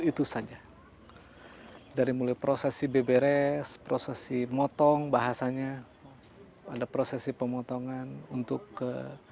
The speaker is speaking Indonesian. itu saja dari mulai prosesi beberes prosesi motong bahasanya ada prosesi pemotongan untuk ke